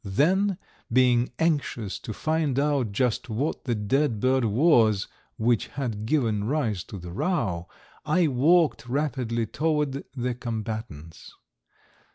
Then, being anxious to find out just what the dead bird was which had given rise to the row, I walked rapidly toward the combatants.